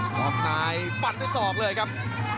น้องนายปั่นด้วยสอกเลยครับ